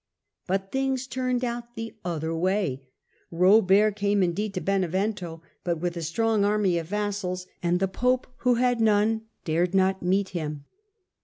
But things turned out the other way : Robert came indeed to Benevento, but with a strong army of vassals ; and the pope, who had none, dared not meet him.